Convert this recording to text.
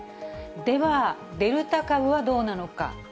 ではデルタ株はどうなのか。